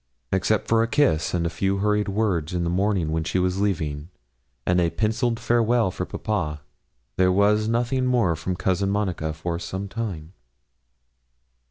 Except a kiss and a few hurried words in the morning when she was leaving, and a pencilled farewell for papa, there was nothing more from Cousin Monica for some time.